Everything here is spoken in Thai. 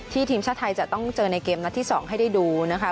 ทีมชาติไทยจะต้องเจอในเกมนัดที่๒ให้ได้ดูนะคะ